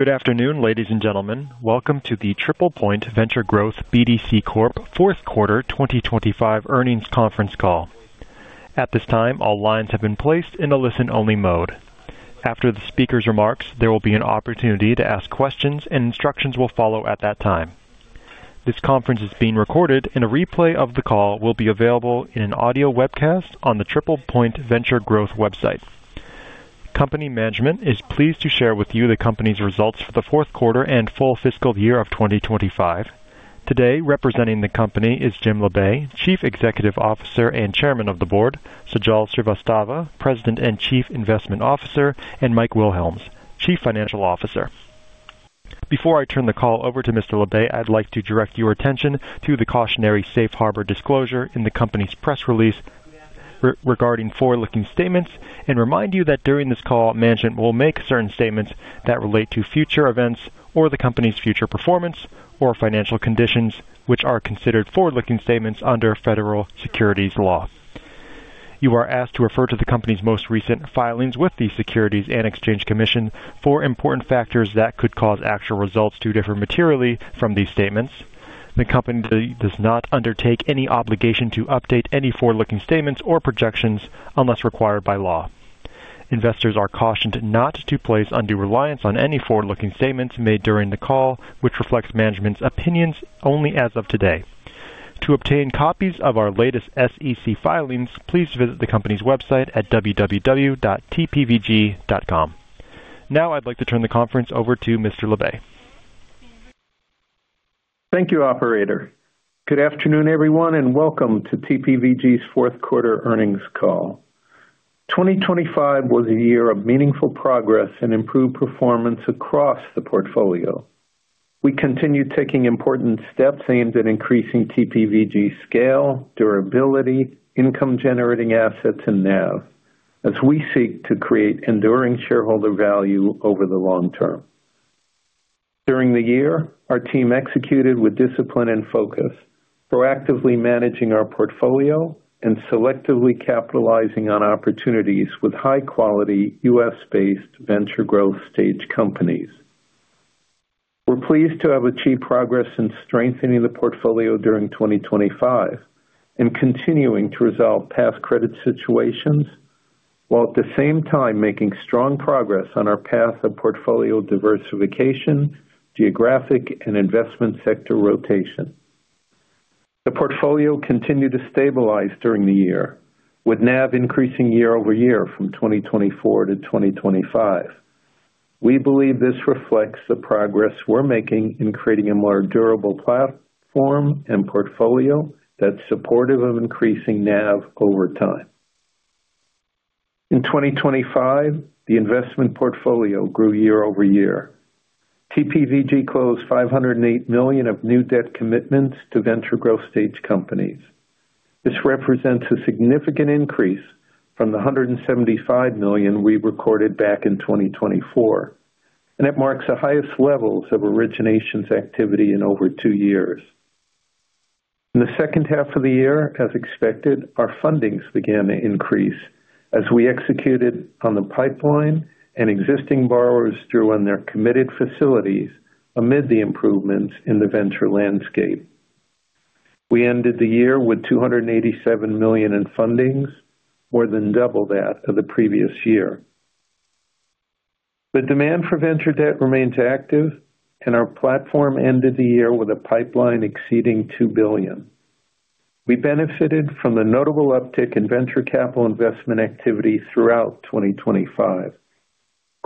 Good afternoon, ladies and gentlemen. Welcome to the TriplePoint Venture Growth BDC Corp Fourth Quarter 2025 earnings conference call. At this time, all lines have been placed in a listen-only mode. After the speaker's remarks, there will be an opportunity to ask questions and instructions will follow at that time. This conference is being recorded and a replay of the call will be available in an audio webcast on the TriplePoint Venture Growth website. Company management is pleased to share with you the company's results for the fourth quarter and full fiscal year of 2025. Today, representing the company is Jim Labe, Chief Executive Officer and Chairman of the Board, Sajal Srivastava, President and Chief Investment Officer, and Mike Wilhelms, Chief Financial Officer. Before I turn the call over to Mr. Labe, I'd like to direct your attention to the cautionary Safe Harbor disclosure in the company's press release regarding forward-looking statements and remind you that during this call, management will make certain statements that relate to future events or the company's future performance or financial conditions, which are considered forward-looking statements under federal securities law. You are asked to refer to the company's most recent filings with the Securities and Exchange Commission for important factors that could cause actual results to differ materially from these statements. The company does not undertake any obligation to update any forward-looking statements or projections unless required by law. Investors are cautioned not to place undue reliance on any forward-looking statements made during the call, which reflects management's opinions only as of today. To obtain copies of our latest SEC filings, please visit the company's website at www.tpvg.com. Now I'd like to turn the conference over to Mr. Labe. Thank you, operator. Good afternoon, everyone, and welcome to TPVG's fourth quarter earnings call. 2025 was a year of meaningful progress and improved performance across the portfolio. We continued taking important steps aimed at increasing TPVG scale, durability, income-generating assets, and NAV as we seek to create enduring shareholder value over the long term. During the year, our team executed with discipline and focus, proactively managing our portfolio and selectively capitalizing on opportunities with high-quality U.S.-based venture growth stage companies. We're pleased to have achieved progress in strengthening the portfolio during 2025 and continuing to resolve past credit situations, while at the same time making strong progress on our path of portfolio diversification, geographic and investment sector rotation. The portfolio continued to stabilize during the year, with NAV increasing year-over-year from 2024 to 2025. We believe this reflects the progress we're making in creating a more durable platform and portfolio that's supportive of increasing NAV over time. In 2025, the investment portfolio grew year-over-year. TPVG closed $508 million of new debt commitments to venture growth stage companies. This represents a significant increase from the $175 million we recorded back in 2024. It marks the highest levels of originations activity in over two years. In the second half of the year, as expected, our fundings began to increase as we executed on the pipeline and existing borrowers drew on their committed facilities amid the improvements in the venture landscape. We ended the year with $287 million in fundings, more than double that of the previous year. The demand for venture debt remains active. Our platform ended the year with a pipeline exceeding $2 billion. We benefited from the notable uptick in venture capital investment activity throughout 2025.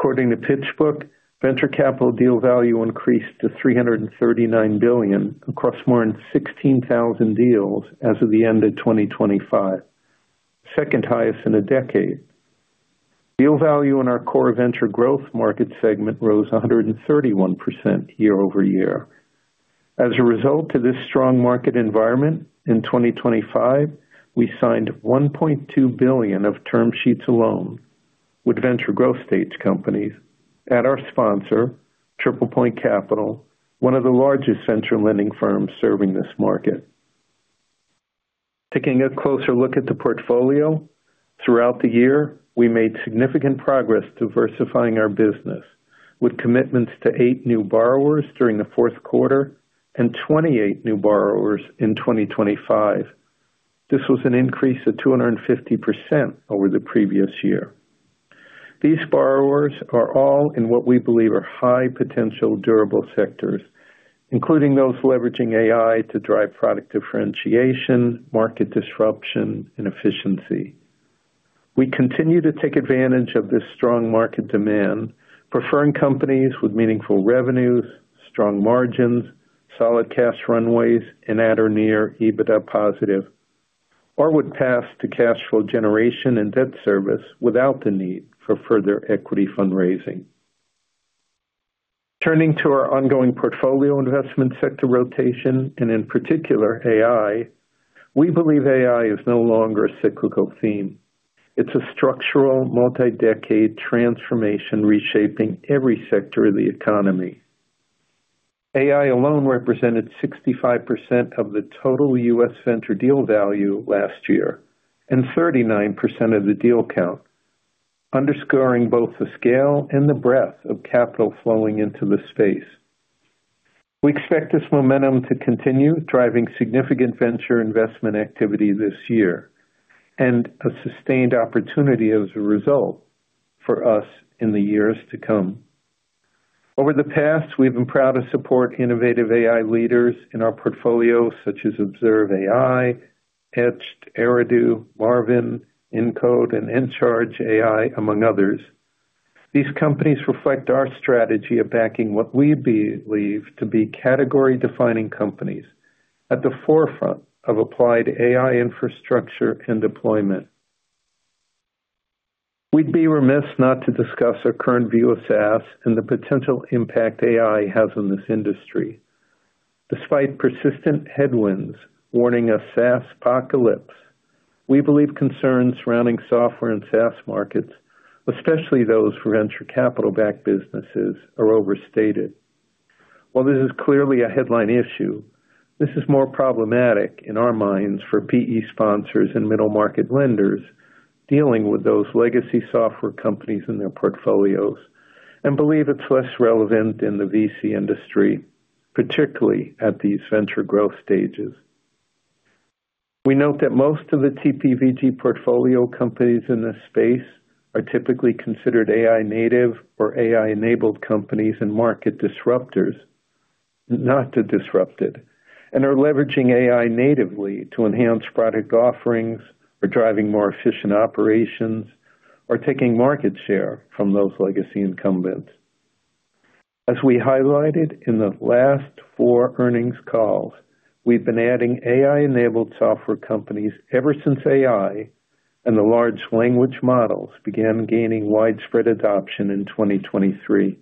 According to PitchBook, venture capital deal value increased to $339 billion across more than 16,000 deals as of the end of 2025, second highest in a decade. Deal value in our core venture growth market segment rose 131% year-over-year. As a result of this strong market environment in 2025, we signed $1.2 billion of term sheets alone with venture growth stage companies at our sponsor, TriplePoint Capital, one of the largest venture lending firms serving this market. Taking a closer look at the portfolio, throughout the year, we made significant progress diversifying our business with commitments to eight new borrowers during the fourth quarter and 28 new borrowers in 2025. This was an increase of 250% over the previous year. These borrowers are all in what we believe are high-potential durable sectors, including those leveraging AI to drive product differentiation, market disruption, and efficiency. We continue to take advantage of this strong market demand, preferring companies with meaningful revenues, strong margins, solid cash runways, and at or near EBITDA positive or would pass to cash flow generation and debt service without the need for further equity fundraising. Turning to our ongoing portfolio investment sector rotation and in particular AI, we believe AI is no longer a cyclical theme. It's a structural, multi-decade transformation reshaping every sector of the economy. AI alone represented 65% of the total U.S. venture deal value last year and 39% of the deal count, underscoring both the scale and the breadth of capital flowing into the space. We expect this momentum to continue driving significant venture investment activity this year and a sustained opportunity as a result for us in the years to come. Over the past, we've been proud to support innovative AI leaders in our portfolio, such as Observe.AI, Etched, Eridu, Marvin, Encode, and EnCharge AI, among others. These companies reflect our strategy of backing what we believe to be category-defining companies at the forefront of applied AI infrastructure and deployment. We'd be remiss not to discuss our current view of SaaS and the potential impact AI has on this industry. Despite persistent headwinds warning a SaaSpocalypse, we believe concerns surrounding software and SaaS markets, especially those for venture capital-backed businesses, are overstated. While this is clearly a headline issue, this is more problematic in our minds for PE sponsors and middle-market lenders dealing with those legacy software companies in their portfolios and believe it's less relevant in the VC industry, particularly at these venture growth stages. We note that most of the TPVG portfolio companies in this space are typically considered AI-native or AI-enabled companies and market disruptors, not the disrupted, and are leveraging AI natively to enhance product offerings or driving more efficient operations or taking market share from those legacy incumbents. As we highlighted in the last four earnings calls, we've been adding AI-enabled software companies ever since AI and the large language models began gaining widespread adoption in 2023.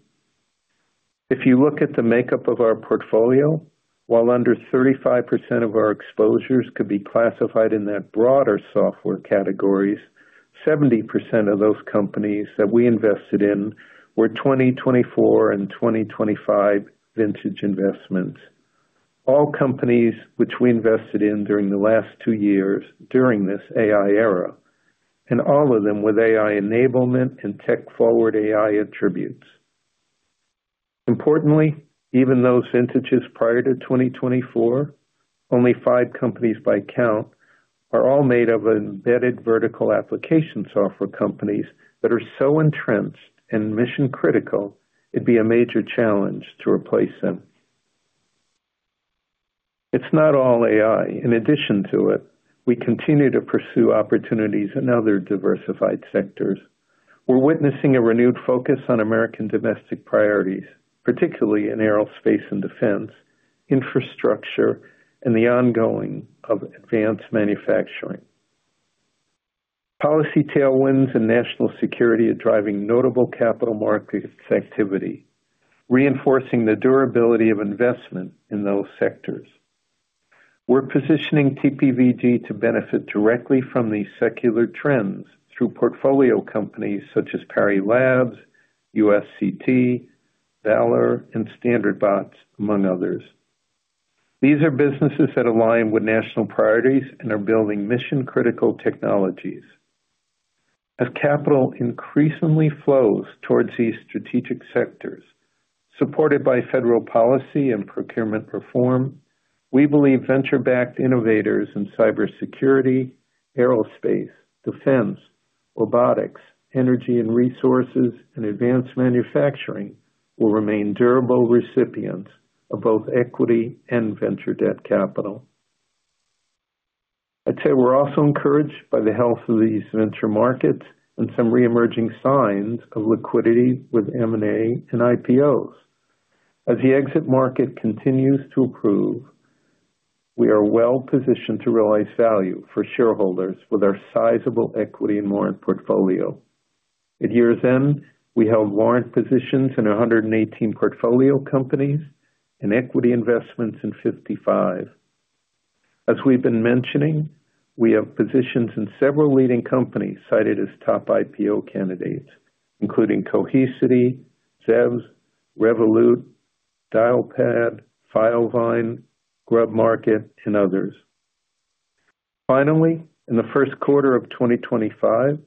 If you look at the makeup of our portfolio, while under 35% of our exposures could be classified in the broader software categories, 70% of those companies that we invested in were 2024 and 2025 vintage investments. All companies which we invested in during the last two years during this AI era, all of them with AI enablement and tech-forward AI attributes. Importantly, even those vintages prior to 2024, only five companies by count are all made of embedded vertical application software companies that are so entrenched and mission-critical, it'd be a major challenge to replace them. It's not all AI. In addition to it, we continue to pursue opportunities in other diversified sectors. We're witnessing a renewed focus on American domestic priorities, particularly in aerospace and defense, infrastructure, and the ongoing of advanced manufacturing. Policy tailwinds and national security are driving notable capital markets activity, reinforcing the durability of investment in those sectors. We're positioning TPVG to benefit directly from these secular trends through portfolio companies such as Parry Labs, USCT, Valor, and Standard Bots, among others. These are businesses that align with national priorities and are building mission-critical technologies. Capital increasingly flows towards these strategic sectors, supported by federal policy and procurement reform, we believe venture-backed innovators in cybersecurity, aerospace, defense, robotics, energy and resources, and advanced manufacturing will remain durable recipients of both equity and venture debt capital. I'd say we're also encouraged by the health of these venture markets and some re-emerging signs of liquidity with M&A and IPOs. The exit market continues to improve, we are well-positioned to realize value for shareholders with our sizable equity and warrant portfolio. At year's end, we held warrant positions in 118 portfolio companies and equity investments in 55. As we've been mentioning, we have positions in several leading companies cited as top IPO candidates, including Cohesity, Zeus, Revolut, Dialpad, Filevine, GrubMarket, and others. In the first quarter of 2025,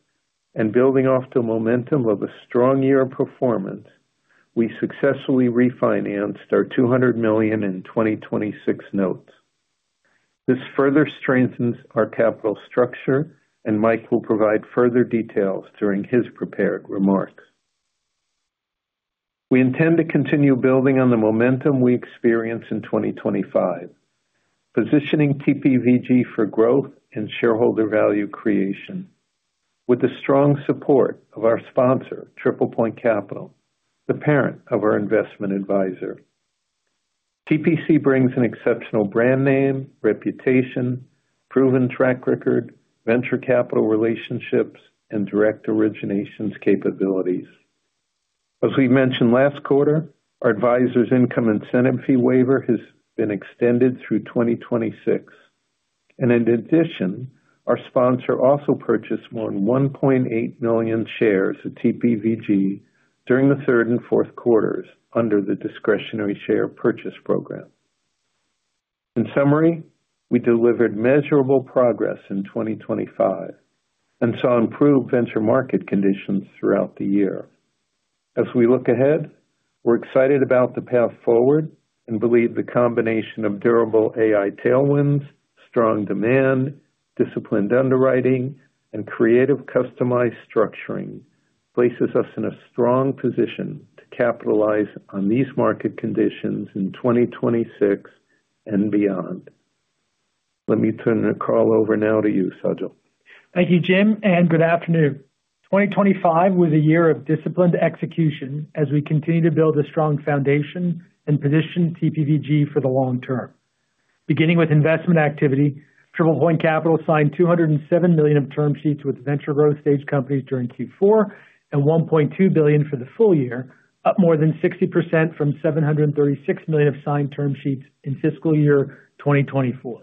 and building off the momentum of a strong year of performance, we successfully refinanced our $200 million in 2026 notes. This further strengthens our capital structure, Mike will provide further details during his prepared remarks. We intend to continue building on the momentum we experience in 2025, positioning TPVG for growth and shareholder value creation with the strong support of our sponsor, TriplePoint Capital, the parent of our investment advisor. TPC brings an exceptional brand name, reputation, proven track record, venture capital relationships, and direct originations capabilities. As we mentioned last quarter, our advisor's income incentive fee waiver has been extended through 2026. In addition, our sponsor also purchased more than 1.8 million shares of TPVG during the 3rd and 4th quarters under the discretionary share purchase program. In summary, we delivered measurable progress in 2025 and saw improved venture market conditions throughout the year. As we look ahead, we're excited about the path forward and believe the combination of durable AI tailwinds, strong demand, disciplined underwriting, and creative customized structuring places us in a strong position to capitalize on these market conditions in 2026 and beyond. Let me turn the call over now to you, Sajal. Thank you, Jim, and good afternoon. 2025 was a year of disciplined execution as we continue to build a strong foundation and position TPVG for the long term. Beginning with investment activity, TriplePoint Capital signed $207 million of term sheets with venture growth stage companies during Q4, and $1.2 billion for the full year, up more than 60% from $736 million of signed term sheets in fiscal year 2024.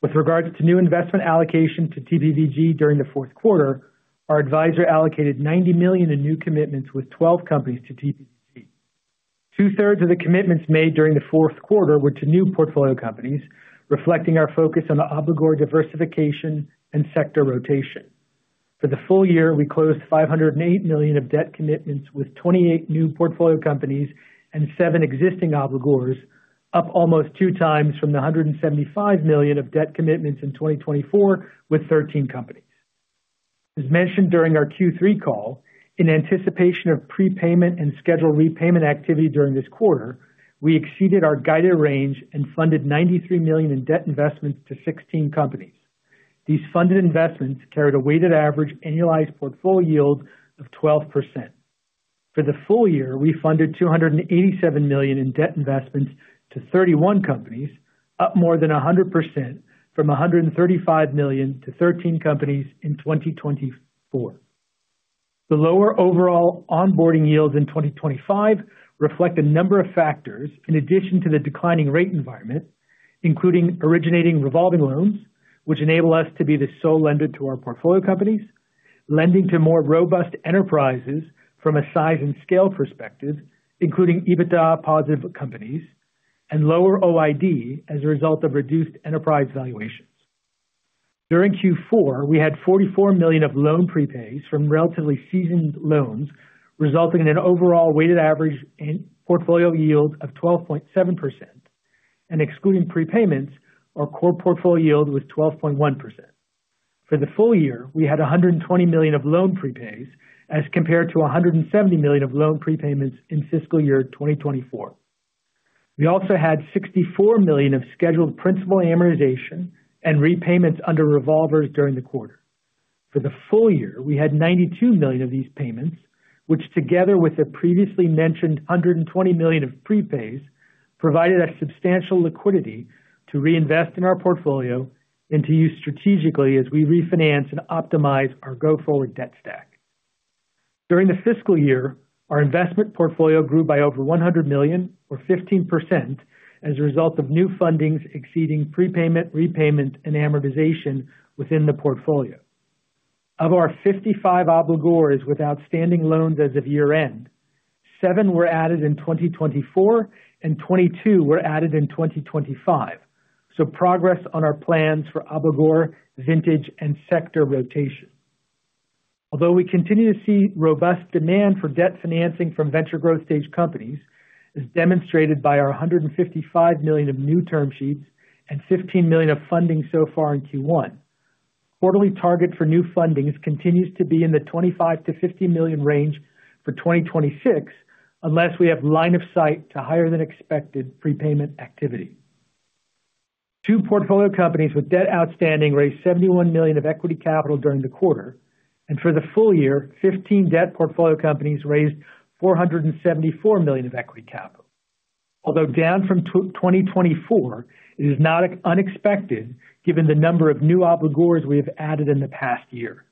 With regards to new investment allocation to TPVG during the fourth quarter, our advisor allocated $90 million in new commitments with 12 companies to TPVG. Two-thirds of the commitments made during the fourth quarter were to new portfolio companies, reflecting our focus on the obligor diversification and sector rotation. For the full year, we closed $508 million of debt commitments with 28 new portfolio companies and seven existing obligors, up almost two times from the $175 million of debt commitments in 2024 with 13 companies. As mentioned during our Q3 call, in anticipation of prepayment and schedule repayment activity during this quarter, we exceeded our guided range and funded $93 million in debt investments to 16 companies. These funded investments carried a weighted average annualized portfolio yield of 12%. For the full year, we funded $287 million in debt investments to 31 companies, up more than 100% from $135 million to 13 companies in 2024. The lower overall onboarding yields in 2025 reflect a number of factors in addition to the declining rate environment, including originating revolving loans, which enable us to be the sole lender to our portfolio companies, lending to more robust enterprises from a size and scale perspective, including EBITDA positive companies, and lower OID as a result of reduced enterprise valuations. During Q4, we had $44 million of loan prepays from relatively seasoned loans, resulting in an overall weighted average in portfolio yield of 12.7%. Excluding prepayments, our core portfolio yield was 12.1%. For the full year, we had $120 million of loan prepays as compared to $170 million of loan prepayments in fiscal year 2024. We also had $64 million of scheduled principal amortization and repayments under revolvers during the quarter. For the full year, we had $92 million of these payments, which together with the previously mentioned $120 million of prepays, provided us substantial liquidity to reinvest in our portfolio and to use strategically as we refinance and optimize our go-forward debt stack. During the fiscal year, our investment portfolio grew by over $100 million, or 15%, as a result of new fundings exceeding prepayment, repayment, and amortization within the portfolio. Of our 55 obligors with outstanding loans as of year-end, seven were added in 2024, and 22 were added in 2025. Progress on our plans for obligor vintage and sector rotation. Although we continue to see robust demand for debt financing from venture growth stage companies, as demonstrated by our $155 million of new term sheets and $15 million of funding so far in Q1, quarterly target for new fundings continues to be in the $25 million-$50 million range for 2026, unless we have line of sight to higher than expected prepayment activity. Two portfolio companies with debt outstanding raised $71 million of equity capital during the quarter. For the full year, 15 debt portfolio companies raised $474 million of equity capital. Although down from 2024, it is not unexpected given the number of new obligors we have added in the past year.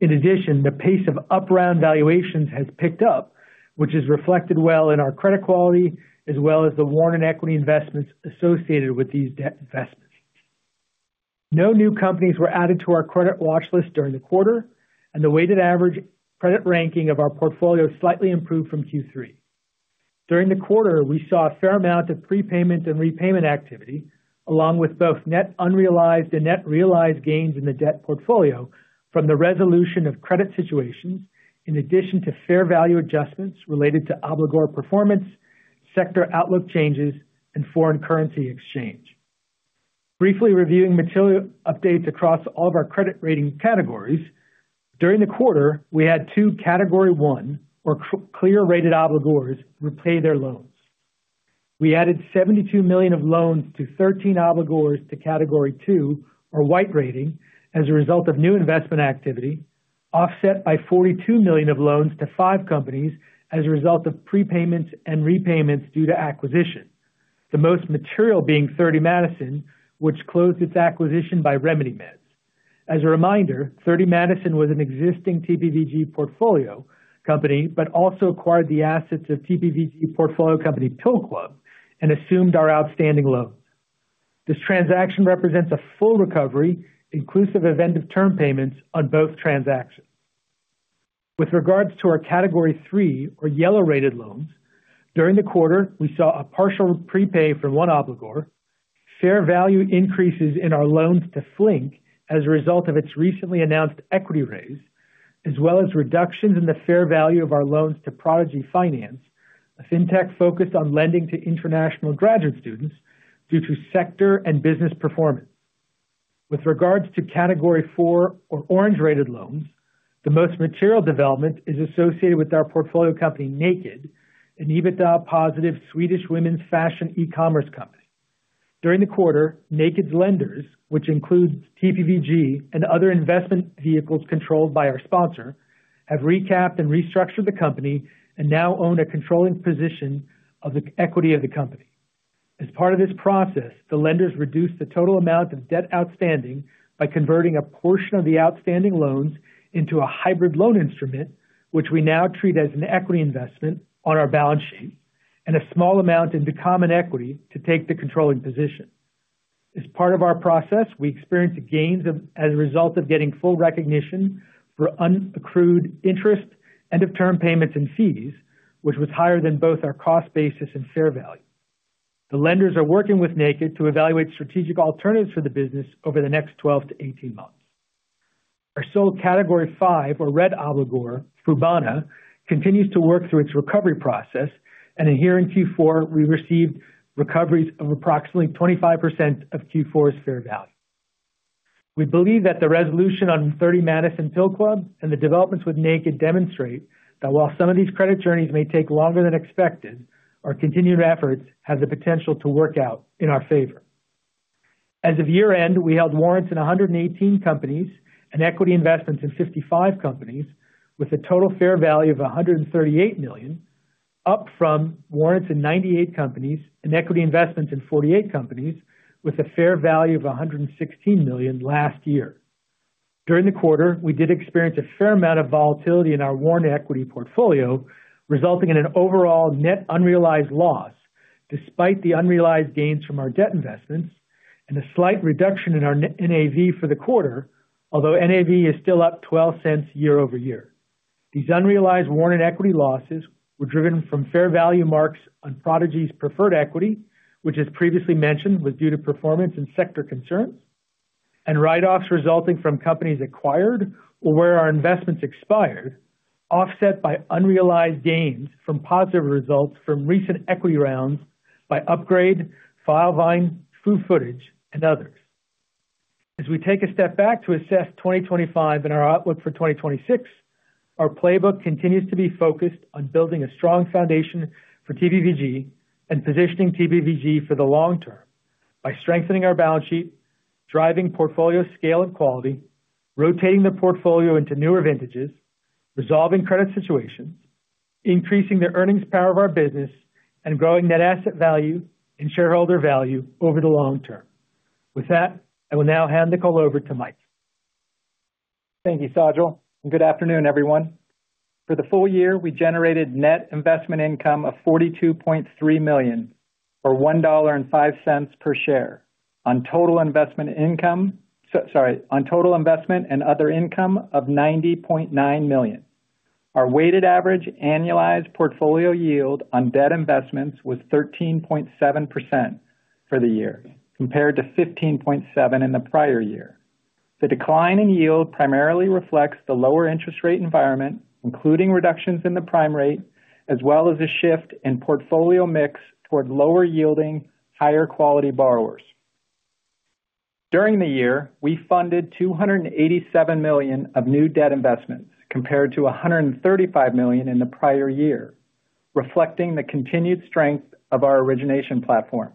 The pace of up-round valuations has picked up, which is reflected well in our credit quality as well as the warrant equity investments associated with these debt investments. No new companies were added to our credit watch list during the quarter, the weighted average credit ranking of our portfolio slightly improved from Q3. During the quarter, we saw a fair amount of prepayment and repayment activity, along with both net unrealized and net realized gains in the debt portfolio from the resolution of credit situations, in addition to fair value adjustments related to obligor performance, sector outlook changes, and foreign currency exchange. Briefly reviewing material updates across all of our credit rating categories. During the quarter, we had two category one or clear rated obligors repay their loans. We added $72 million of loans to 13 obligors to category two or white rating as a result of new investment activity, offset by $42 million of loans to five companies as a result of prepayments and repayments due to acquisition, the most material being Thirty Madison, which closed its acquisition by Remedy Meds. As a reminder, Thirty Madison was an existing TPVG portfolio company, but also acquired the assets of TPVG portfolio company, The Pill Club, and assumed our outstanding loans. This transaction represents a full recovery inclusive of end of term payments on both transactions. With regards to our category three or yellow-rated loans, during the quarter, we saw a partial prepay for one obligor. Fair value increases in our loans to Flink as a result of its recently announced equity raise, as well as reductions in the fair value of our loans to Prodigy Finance, a fintech focused on lending to international graduate students due to sector and business performance. With regards to category four or orange-rated loans, the most material development is associated with our portfolio company, NA-KD, an EBITDA positive Swedish women's fashion e-commerce company. During the quarter, NA-KD's lenders, which includes TPVG and other investment vehicles controlled by our sponsor, have recapped and restructured the company and now own a controlling position of the equity of the company. As part of this process, the lenders reduced the total amount of debt outstanding by converting a portion of the outstanding loans into a hybrid loan instrument, which we now treat as an equity investment on our balance sheet, and a small amount into common equity to take the controlling position. As part of our process, we experienced gains as a result of getting full recognition for unaccrued interest, end of term payments and fees, which was higher than both our cost basis and fair value. The lenders are working with NA-KD to evaluate strategic alternatives for the business over the next 12 to 18 months. Our sole category five or red obligor, Frubana, continues to work through its recovery process. Here in Q4, we received recoveries of approximately 25% of Q4's fair value. We believe that the resolution on Thirty Madison PillClub and the developments with NA-KD demonstrate that while some of these credit journeys may take longer than expected, our continued efforts have the potential to work out in our favor. As of year-end, we held warrants in 118 companies and equity investments in 55 companies with a total fair value of $138 million, up from warrants in 98 companies and equity investments in 48 companies with a fair value of $116 million last year. During the quarter, we did experience a fair amount of volatility in our warrant equity portfolio, resulting in an overall net unrealized loss despite the unrealized gains from our debt investments and a slight reduction in our net NAV for the quarter. Although NAV is still up $0.12 year-over-year. These unrealized warrant equity losses were driven from fair value marks on Prodigy's preferred equity, which, as previously mentioned, was due to performance and sector concerns, and write-offs resulting from companies acquired or where our investments expired, offset by unrealized gains from positive results from recent equity rounds by Upgrade, Filevine, True Footage, and others. As we take a step back to assess 2025 and our outlook for 2026, our playbook continues to be focused on building a strong foundation for TPVG and positioning TPVG for the long term by strengthening our balance sheet, driving portfolio scale and quality, rotating the portfolio into newer vintages, resolving credit situations, increasing the earnings power of our business, and growing net asset value and shareholder value over the long term. With that, I will now hand the call over to Mike. Thank you, Sajal. Good afternoon, everyone. For the full year, we generated net investment income of $42.3 million, or $1.05 per share on total investment and other income of $90.9 million. Our weighted average annualized portfolio yield on debt investments was 13.7% for the year, compared to 15.7% in the prior year. The decline in yield primarily reflects the lower interest rate environment, including reductions in the prime rate, as well as a shift in portfolio mix toward lower yielding, higher quality borrowers. During the year, we funded $287 million of new debt investments, compared to $135 million in the prior year, reflecting the continued strength of our origination platform.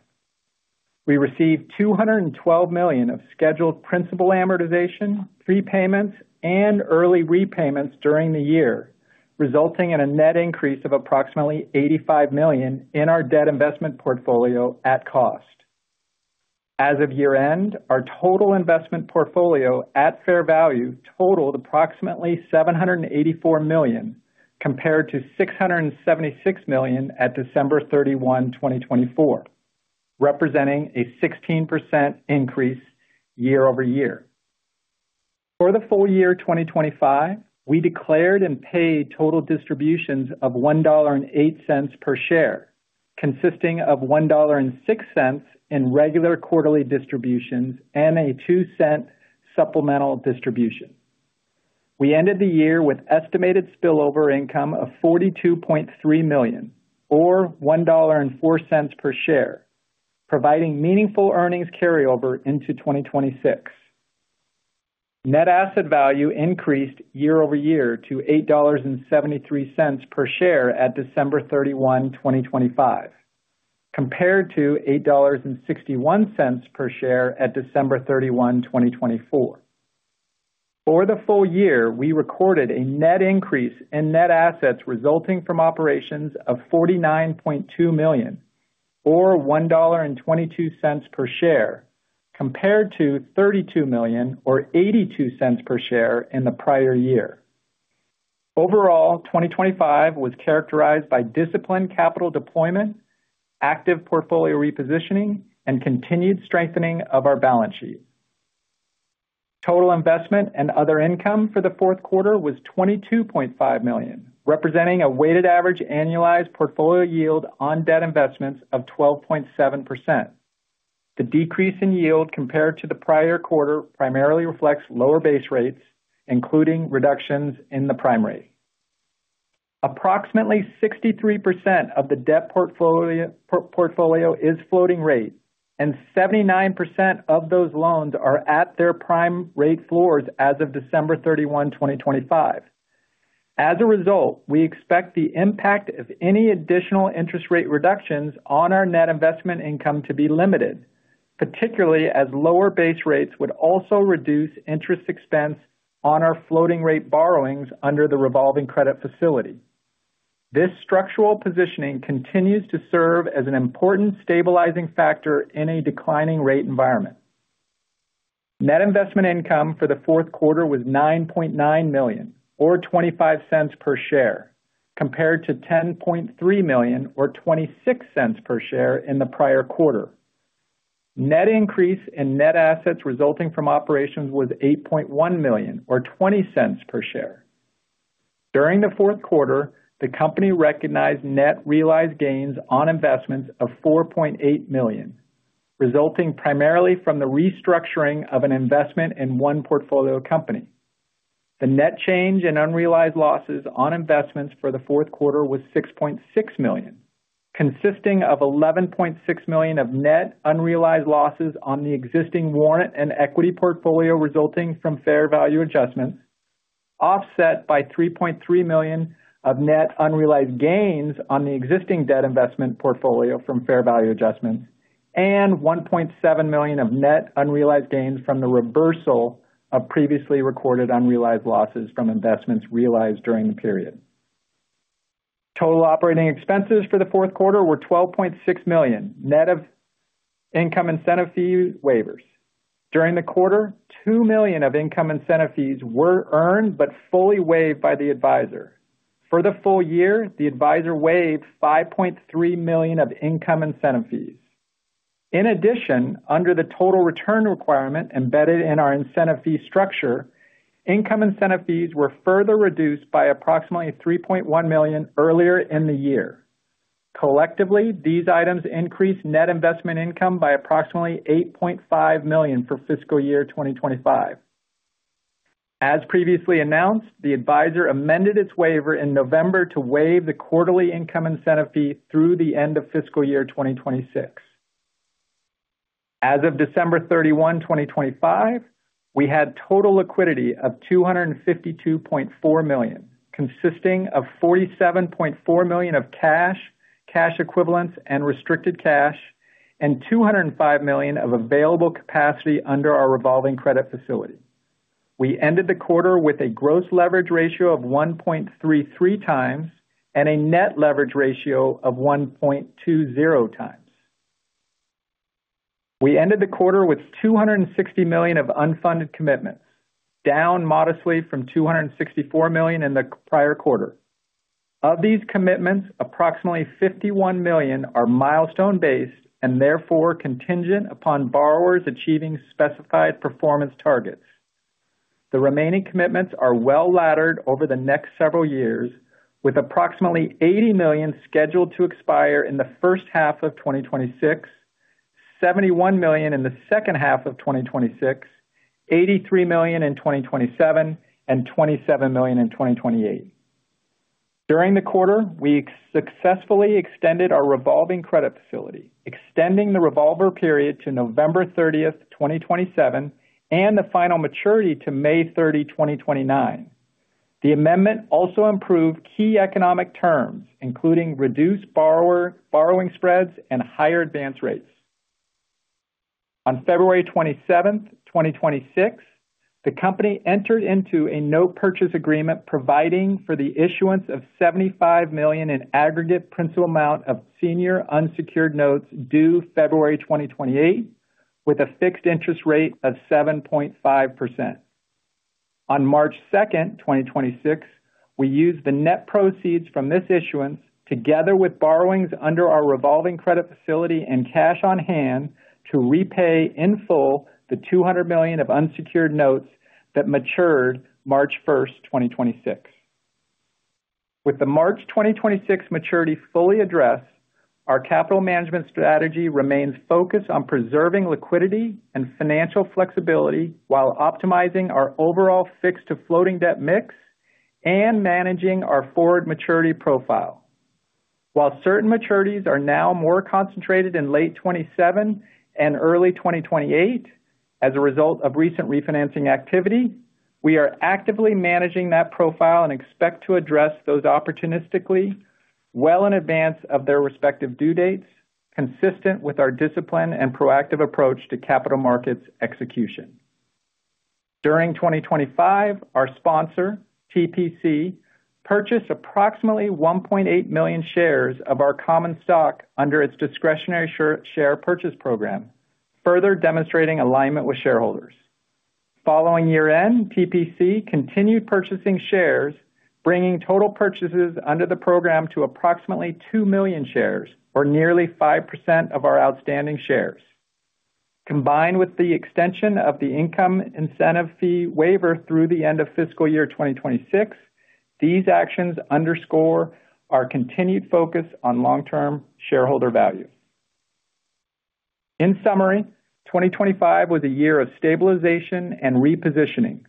We received $212 million of scheduled principal amortization, prepayments, and early repayments during the year, resulting in a net increase of approximately $85 million in our debt investment portfolio at cost. As of year-end, our total investment portfolio at fair value totaled approximately $784 million, compared to $676 million at December 31, 2024, representing a 16% increase year-over-year. For the full year 2025, we declared and paid total distributions of $1.08 per share, consisting of $1.06 in regular quarterly distributions and a $0.02 Supplemental distribution. We ended the year with estimated spillover income of $42.3 million, or $1.04 per share, providing meaningful earnings carryover into 2026. Net asset value increased year-over-year to $8.73 per share at December 31, 2025, compared to $8.61 per share at December 31, 2024. For the full year, we recorded a net increase in net assets resulting from operations of $49.2 million or $1.22 per share, compared to $32 million or $0.82 per share in the prior year. Overall, 2025 was characterized by disciplined capital deployment, active portfolio repositioning, and continued strengthening of our balance sheet. Total investment and other income for the fourth quarter was $22.5 million, representing a weighted average annualized portfolio yield on debt investments of 12.7%. The decrease in yield compared to the prior quarter primarily reflects lower base rates, including reductions in the prime rate. Approximately 63% of the debt portfolio is floating rate and 79% of those loans are at their prime rate floors as of December 31, 2025. We expect the impact of any additional interest rate reductions on our net investment income to be limited, particularly as lower base rates would also reduce interest expense on our floating rate borrowings under the revolving credit facility. This structural positioning continues to serve as an important stabilizing factor in a declining rate environment. Net investment income for the fourth quarter was $9.9 million or $0.25 per share, compared to $10.3 million or $0.26 per share in the prior quarter. Net increase in net assets resulting from operations was $8.1 million or $0.20 per share. During the fourth quarter, the company recognized net realized gains on investments of $4.8 million, resulting primarily from the restructuring of an investment in one portfolio company. The net change in unrealized losses on investments for the fourth quarter was $6.6 million, consisting of $11.6 million of net unrealized losses on the existing warrant and equity portfolio resulting from fair value adjustments, offset by $3.3 million of net unrealized gains on the existing debt investment portfolio from fair value adjustments and $1.7 million of net unrealized gains from the reversal of previously recorded unrealized losses from investments realized during the period. Total operating expenses for the fourth quarter were $12.6 million, net of income incentive fee waivers. During the quarter, $2 million of income incentive fees were earned but fully waived by the advisor. For the full year, the advisor waived $5.3 million of income incentive fees. In addition, under the total return requirement embedded in our incentive fee structure, income incentive fees were further reduced by approximately $3.1 million earlier in the year. Collectively, these items increased net investment income by approximately $8.5 million for fiscal year 2025. As previously announced, the advisor amended its waiver in November to waive the quarterly income incentive fee through the end of fiscal year 2026. As of December 31, 2025, we had total liquidity of $252.4 million, consisting of $47.4 million of cash equivalents and restricted cash and $205 million of available capacity under our revolving credit facility. We ended the quarter with a gross leverage ratio of 1.33x and a net leverage ratio of 1.20x. We ended the quarter with $260 million of unfunded commitments, down modestly from $264 million in the prior quarter. Of these commitments, approximately $51 million are milestone-based and therefore contingent upon borrowers achieving specified performance targets. The remaining commitments are well laddered over the next several years, with approximately $80 million scheduled to expire in the first half of 2026, $71 million in the second half of 2026, $83 million in 2027 and $27 million in 2028. During the quarter, we successfully extended our revolving credit facility, extending the revolver period to November 30, 2027 and the final maturity to May 30, 2029. The amendment also improved key economic terms, including reduced borrower-borrowing spreads and higher advance rates. On February 27, 2026, the company entered into a note purchase agreement providing for the issuance of $75 million in aggregate principal amount of senior unsecured notes due February 2028 with a fixed interest rate of 7.5%. On March 2, 2026, we used the net proceeds from this issuance, together with borrowings under our revolving credit facility and cash on hand to repay in full the $200 million of unsecured notes that matured March 1, 2026. With the March 2026 maturity fully addressed, our capital management strategy remains focused on preserving liquidity and financial flexibility while optimizing our overall fixed to floating debt mix and managing our forward maturity profile. While certain maturities are now more concentrated in late 2027 and early 2028 as a result of recent refinancing activity, we are actively managing that profile and expect to address those opportunistically well in advance of their respective due dates, consistent with our discipline and proactive approach to capital markets execution. During 2025, our sponsor, TPC, purchased approximately 1.8 million shares of our common stock under its discretionary share purchase program, further demonstrating alignment with shareholders. Following year-end, TPC continued purchasing shares, bringing total purchases under the program to approximately 2 million shares, or nearly 5% of our outstanding shares. Combined with the extension of the income incentive fee waiver through the end of fiscal year 2026, these actions underscore our continued focus on long-term shareholder value. In summary, 2025 was a year of stabilization and repositioning.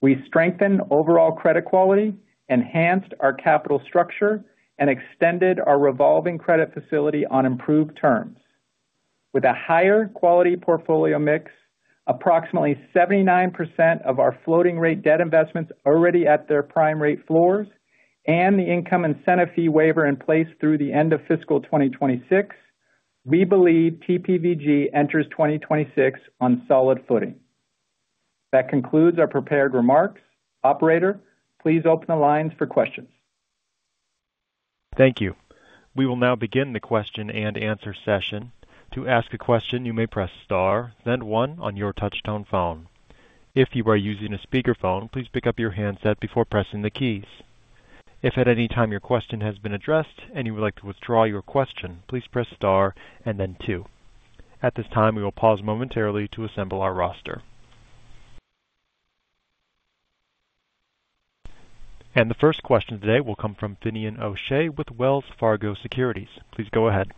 We strengthened overall credit quality, enhanced our capital structure, and extended our revolving credit facility on improved terms. With a higher quality portfolio mix, approximately 79% of our floating rate debt investments already at their prime rate floors and the income incentive fee waiver in place through the end of fiscal 2026, we believe TPVG enters 2026 on solid footing. That concludes our prepared remarks. Operator, please open the lines for questions. Thank you. We will now begin the question-and-answer session. To ask a question, you may press *, then 1 on your touchtone phone. If you are using a speakerphone, please pick up your handset before pressing the keys. If at any time your question has been addressed and you would like to withdraw your question, please press * and then 2. At this time, we will pause momentarily to assemble our roster. The first question today will come from Finian O'Shea with Wells Fargo Securities. Please go ahead.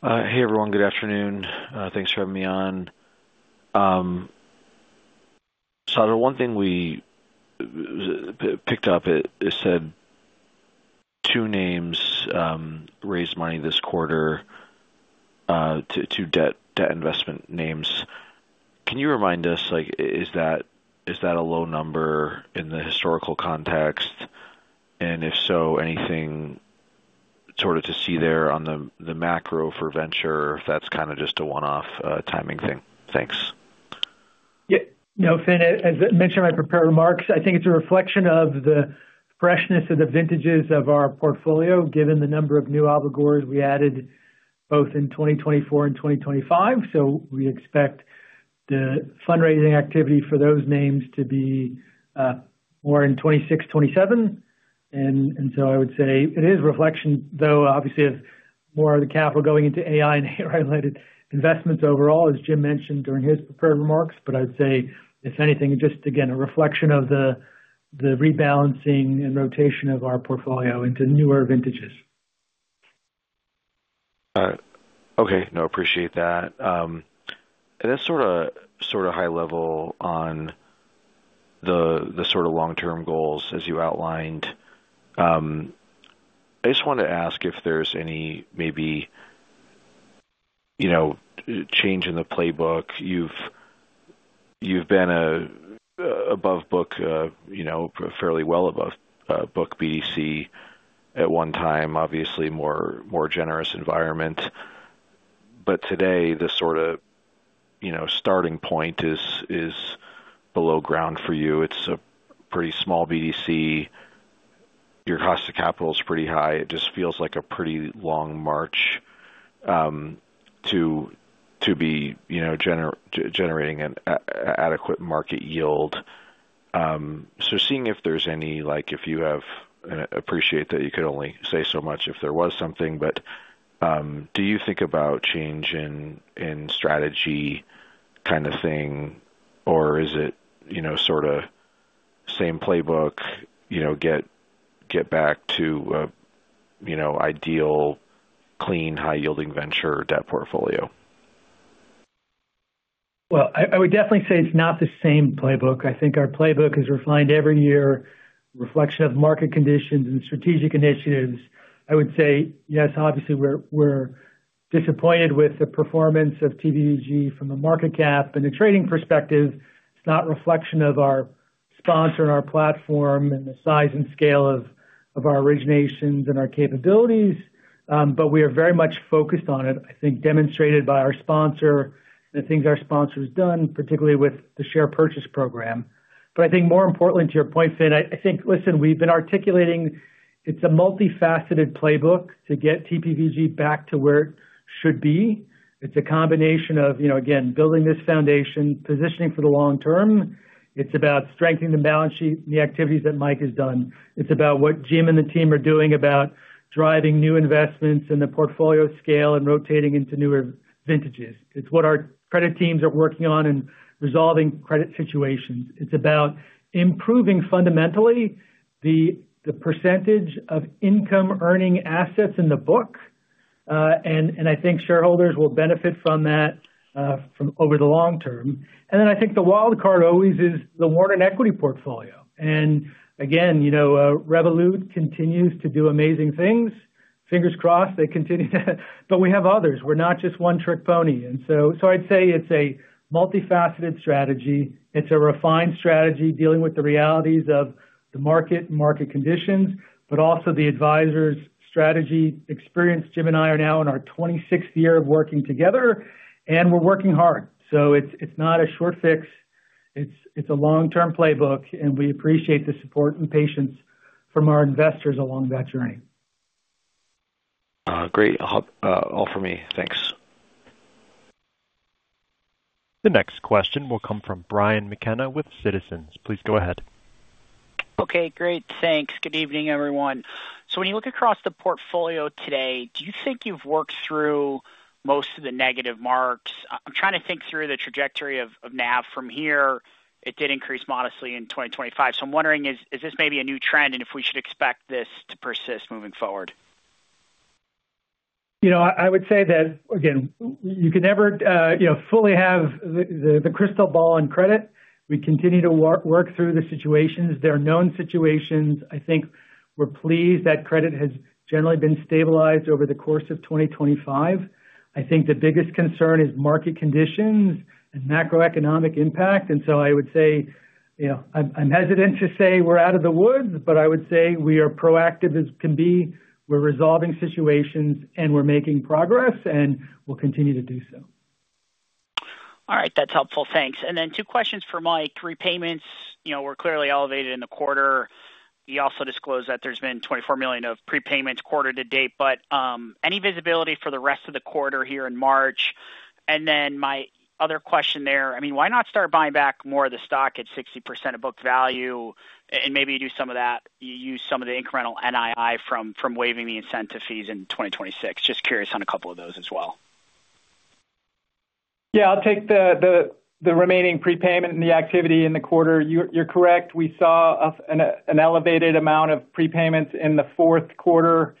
Hey, everyone. Good afternoon. Thanks for having me on. The one thing we picked up, it said two names raised money this quarter, two debt investment names. Can you remind us, like, is that a low number in the historical context? If so, anything sort of to see there on the macro for venture, if that's kind of just a one-off timing thing? Thanks. Yeah. Finian, as I mentioned in my prepared remarks, I think it's a reflection of the freshness of the vintages of our portfolio, given the number of new obligors we added both in 2024 and 2025. We expect the fundraising activity for those names to be more in 2026, 2027. I would say it is a reflection, though obviously of more of the capital going into AI and AI-related investments overall, as Jim mentioned during his prepared remarks. I'd say if anything, just again, a reflection of the rebalancing and rotation of our portfolio into newer vintages. Okay. No, appreciate that. Then sort of high level on the sort of long-term goals as you outlined. I just wanted to ask if there's any maybe, you know, change in the playbook. You've been above book, you know, fairly well above book BDC at one time, obviously more generous environment. Today, the sort of, you know, starting point is below ground for you. It's a pretty small BDC. Your cost of capital is pretty high. It just feels like a pretty long march to be, you know, generating an adequate market yield. Seeing if there's any like if you have, appreciate that you could only say so much if there was something, do you think about change in strategy kind of thing? Is it, you know, sort of same playbook, you know, get back to a, you know, ideal clean, high-yielding venture debt portfolio? Well, I would definitely say it's not the same playbook. I think our playbook is refined every year, reflection of market conditions and strategic initiatives. I would say, yes, obviously, we're disappointed with the performance of TPVG from a market cap and a trading perspective. It's not a reflection of our sponsor and our platform and the size and scale of our originations and our capabilities. We are very much focused on it. I think demonstrated by our sponsor and the things our sponsor's done, particularly with the share purchase program. I think more importantly to your point, Finian, I think, listen, we've been articulating it's a multifaceted playbook to get TPVG back to where it should be. It's a combination of, you know, again, building this foundation, positioning for the long term. It's about strengthening the balance sheet and the activities that Mike has done. It's about what Jim and the team are doing about driving new investments in the portfolio scale and rotating into newer vintages. It's what our credit teams are working on and resolving credit situations. It's about improving fundamentally the percentage of income-earning assets in the book. And I think shareholders will benefit from that, from over the long term. Then I think the wild card always is the warrant equity portfolio. Again, you know, Revolut continues to do amazing things. Fingers crossed they continue. We have others. We're not just one-trick pony. So, I'd say it's a multifaceted strategy. It's a refined strategy dealing with the realities of the market and market conditions, but also the advisors' strategy experience. Jim and I are now in our 26th year of working together, and we're working hard. It's not a short fix. It's a long-term playbook, and we appreciate the support and patience from our investors along that journey. Great. All from me. Thanks. The next question will come from Brian McKenna with Citizens. Please go ahead. Okay, great. Thanks. Good evening, everyone. When you look across the portfolio today, do you think you've worked through most of the negative marks? I'm trying to think through the trajectory of NAV from here. It did increase modestly in 2025. I'm wondering, is this maybe a new trend and if we should expect this to persist moving forward? You know, I would say that, again, you can never, you know, fully have the crystal ball on credit. We continue to work through the situations. There are known situations. I think we're pleased that credit has generally been stabilized over the course of 2025. I think the biggest concern is market conditions and macroeconomic impact. I would say, you know, I'm hesitant to say we're out of the woods, but I would say we are proactive as can be. We're resolving situations, and we're making progress, and we'll continue to do so. All right. That's helpful. Thanks. Two questions for Mike. Repayments, you know, were clearly elevated in the quarter. You also disclosed that there's been $24 million of prepayments quarter to date. Any visibility for the rest of the quarter here in March? My other question there, I mean, why not start buying back more of the stock at 60% of book value and maybe do some of that, you use some of the incremental NII from waiving the incentive fees in 2026? Just curious on a couple of those as well. Yeah, I'll take the remaining prepayment and the activity in the quarter. You're correct. We saw an elevated amount of prepayments in the fourth quarter.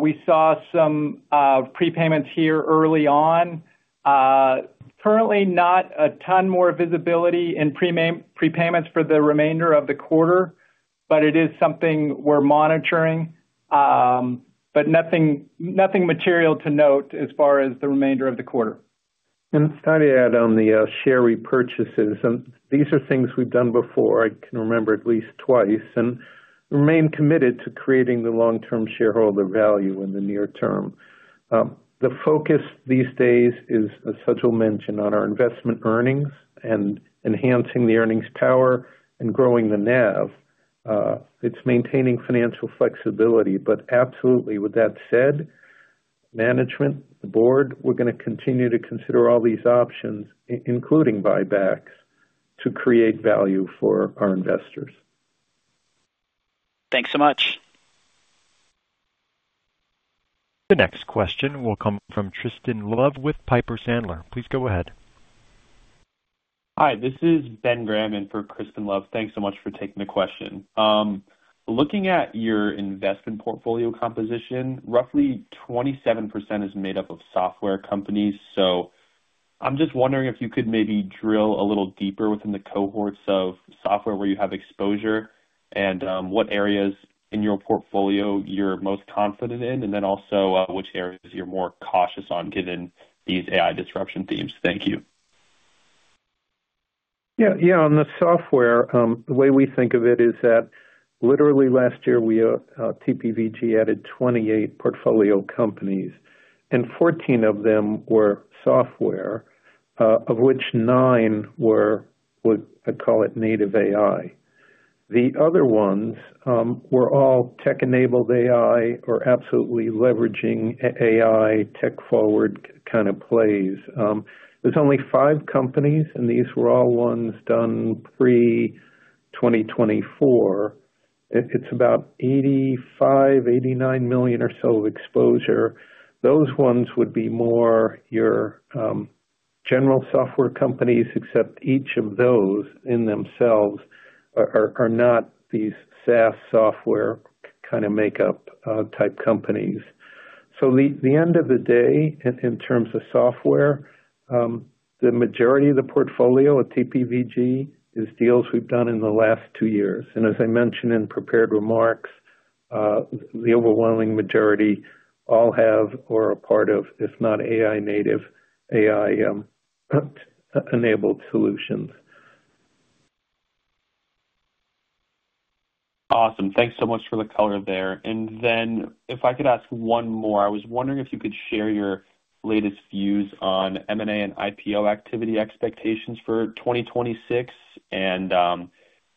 We saw some prepayments here early on. Currently not a ton more visibility in prepayments for the remainder of the quarter, it is something we're monitoring. Nothing material to note as far as the remainder of the quarter. Sorry to add on the share repurchases. These are things we've done before. I can remember at least twice. Remain committed to creating the long-term shareholder value in the near term. The focus these days is, as Sajal mentioned, on our investment earnings and enhancing the earnings power and growing the NAV. It's maintaining financial flexibility. Absolutely, with that said, management, the board, we're gonna continue to consider all these options, including buybacks, to create value for our investors. Thanks so much. The next question will come from Crispin Love with Piper Sandler. Please go ahead. Hi. This is Benjamin Graham in for Crispin Love. Thanks so much for taking the question. Looking at your investment portfolio composition, roughly 27% is made up of software companies. I'm just wondering if you could maybe drill a little deeper within the cohorts of software where you have exposure and, what areas in your portfolio you're most confident in, and then also, which areas you're more cautious on given these AI disruption themes. Thank you. Yeah. Yeah. On the software, the way we think of it is that literally last year we TPVG added 28 portfolio companies, and 14 of them were software, of which nine were what I'd call it native AI. The other ones were all tech-enabled AI or absolutely leveraging AI tech-forward kind of plays. There's only five companies, and these were all ones done pre-2024. It's about $85 million-$89 million or so of exposure. Those ones would be more your general software companies, except each of those in themselves are not these SaaS software kind of makeup type companies. The end of the day in terms of software, the majority of the portfolio at TPVG is deals we've done in the last two years. As I mentioned in prepared remarks, the overwhelming majority all have or are part of, if not AI native, AI enabled solutions. Awesome. Thanks so much for the color there. If I could ask one more. I was wondering if you could share your latest views on M&A and IPO activity expectations for 2026 and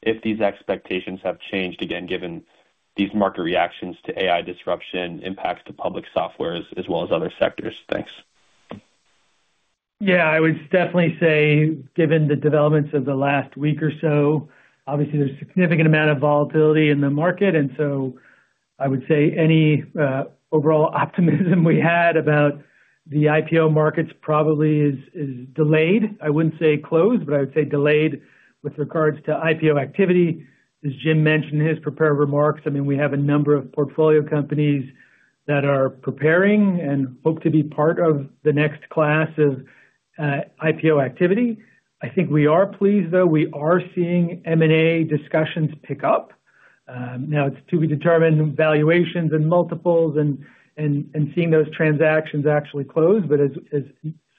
if these expectations have changed again given these market reactions to AI disruption impacts to public software as well as other sectors. Thanks. Yeah. I would definitely say given the developments of the last week or so, obviously there's significant amount of volatility in the market. So I would say any overall optimism we had about the IPO markets probably is delayed. I wouldn't say closed, but I would say delayed with regards to IPO activity. As Jim mentioned in his prepared remarks, I mean, we have a number of portfolio companies that are preparing and hope to be part of the next class of IPO activity. I think we are pleased, though we are seeing M&A discussions pick up. Now it's to be determined valuations and multiples and seeing those transactions actually close. As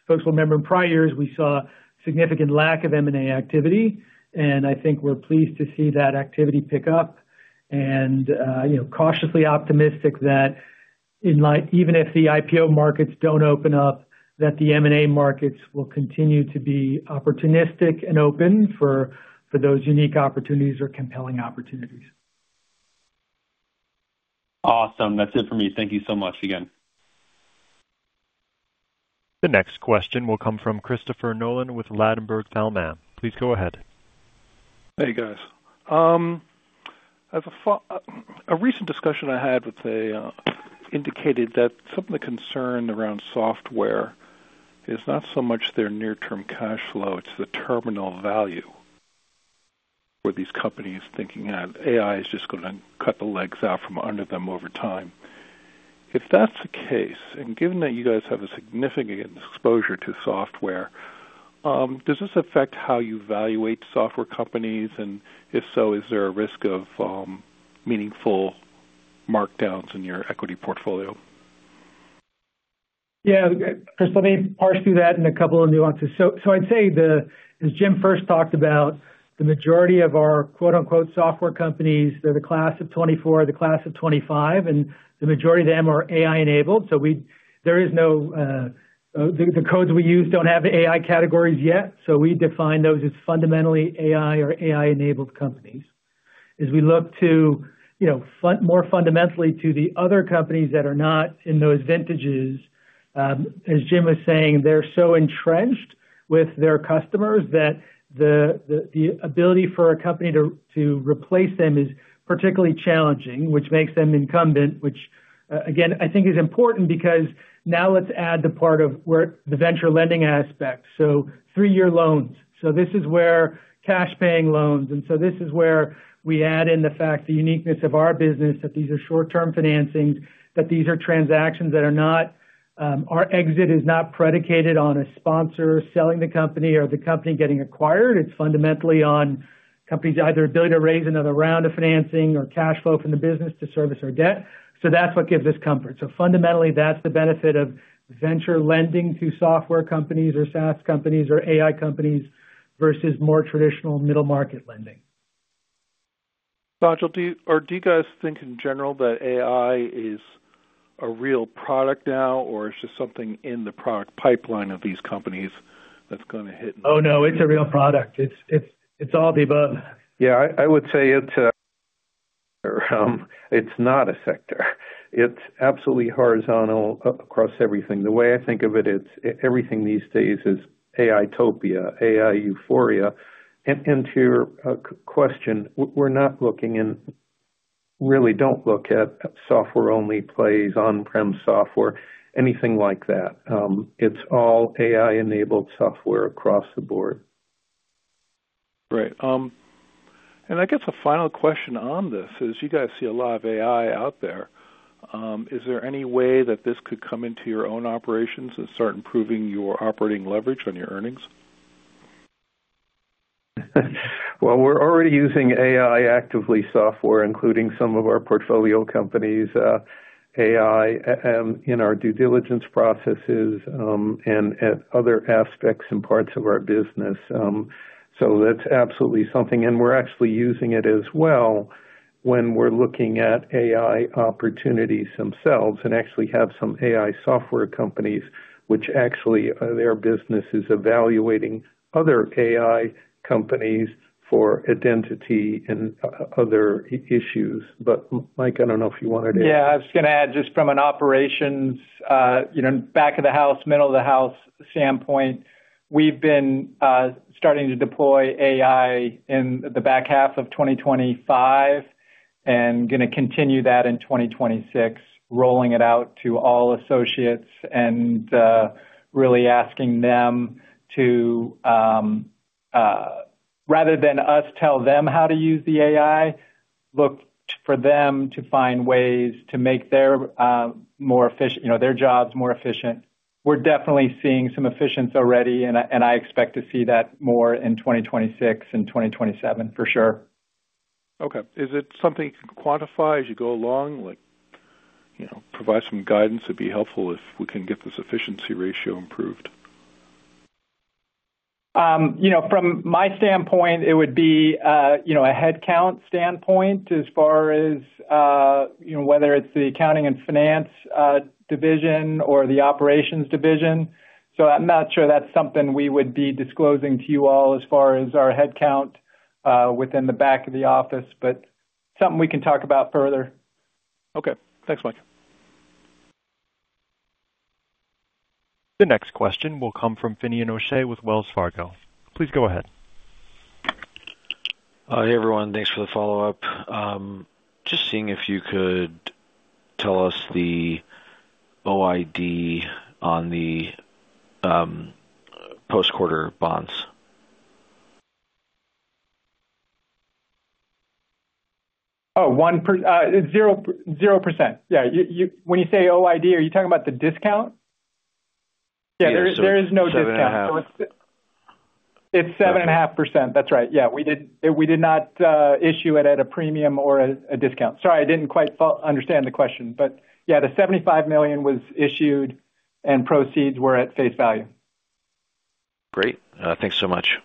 folks will remember in prior years, we saw significant lack of M&A activity, and I think we're pleased to see that activity pick up and, you know, cautiously optimistic that even if the IPO markets don't open up, that the M&A markets will continue to be opportunistic and open for those unique opportunities or compelling opportunities. Awesome. That's it for me. Thank you so much again. The next question will come from Christopher Nolan with Ladenburg Thalmann. Please go ahead. Hey, guys. As a recent discussion I had with a indicated that some of the concern around software is not so much their near-term cash flow to the terminal value for these companies thinking AI is just gonna cut the legs out from under them over time. If that's the case, given that you guys have a significant exposure to software, does this affect how you evaluate software companies? If so, is there a risk of meaningful markdowns in your equity portfolio? Yeah. Chris, let me parse through that in a couple of nuances. As Jim first talked about, the majority of our, quote-unquote, software companies, they're the class of 2024 or the class of 2025, and the majority of them are AI-enabled. There is no, the codes we use don't have AI categories yet, so we define those as fundamentally AI or AI-enabled companies. As we look to, you know, fundamentally to the other companies that are not in those vintages, as Jim was saying, they're so entrenched with their customers that the ability for a company to replace them is particularly challenging, which makes them incumbent, which again, I think is important because now let's add the part of where the venture lending aspect. three year loans. This is where cash paying loans. This is where we add in the fact the uniqueness of our business, that these are short-term financings, that these are transactions that are not, our exit is not predicated on a sponsor selling the company or the company getting acquired. It's fundamentally on companies either ability to raise another round of financing or cash flow from the business to service our debt. That's what gives us comfort. Fundamentally, that's the benefit of venture lending to software companies or SaaS companies or AI companies versus more traditional middle-market lending. Gotcha. Do you guys think in general that AI is a real product now, or is just something in the product pipeline of these companies that's gonna hit? Oh, no, it's a real product. It's all the above. Yeah, I would say it's not a sector. It's absolutely horizontal across everything. The way I think of it is everything these days is AI-topia, AI euphoria. To your question, we're not looking and really don't look at software-only plays, on-prem software, anything like that. It's all AI-enabled software across the board. Right. I guess a final question on this is you guys see a lot of AI out there. Is there any way that this could come into your own operations and start improving your operating leverage on your earnings? Well, we're already using AI actively software, including some of our portfolio companies, AI, in our due diligence processes, and other aspects and parts of our business. So that's absolutely something. We're actually using it as well when we're looking at AI opportunities themselves and actually have some AI software companies which actually, their business is evaluating other AI companies for identity and other issues. Mike, I don't know if you wanted to. Yeah, I was gonna add just from an operations, you know, back of the house, middle of the house standpoint. We've been starting to deploy AI in the back half of 2025 and gonna continue that in 2026, rolling it out to all associates and really asking them to, rather than us tell them how to use the AI, look for them to find ways to make their more efficient, you know, their jobs more efficient. We're definitely seeing some efficiency already. And I expect to see that more in 2026 and 2027 for sure. Okay. Is it something you can quantify as you go along? Like, you know, provide some guidance? It'd be helpful if we can get this efficiency ratio improved. You know, from my standpoint, it would be, you know, a headcount standpoint as far as, you know, whether it's the accounting and finance division or the operations division. I'm not sure that's something we would be disclosing to you all as far as our headcount within the back of the office, but something we can talk about further. Okay. Thanks, Mike. The next question will come from Finian O'Shea with Wells Fargo. Please go ahead. Hey, everyone. Thanks for the follow-up. Just seeing if you could tell us the OID on the post-quarter bonds. Oh, 0%. Yeah. You, when you say OID, are you talking about the discount? Yeah. Yeah. There is no discount. 7.5%. It's 7.5%. That's right. Yeah. We did not issue it at a premium or a discount. Sorry, I didn't quite understand the question. Yeah, the $75 million was issued and proceeds were at face value. Great. Thanks so much.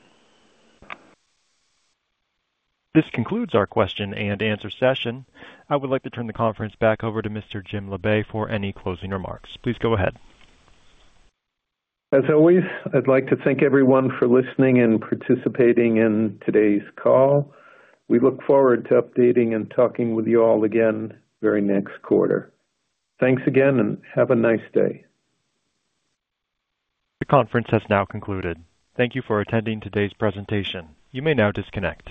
This concludes our question-and-answer session. I would like to turn the conference back over to Mr. Jim Labe for any closing remarks. Please go ahead. As always, I'd like to thank everyone for listening and participating in today's call. We look forward to updating and talking with you all again very next quarter. Thanks again, and have a nice day. The conference has now concluded. Thank you for attending today's presentation. You may now disconnect.